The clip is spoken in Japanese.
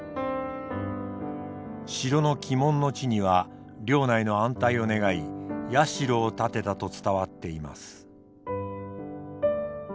城の鬼門の地には領内の安泰を願い社を建てたと伝わっています。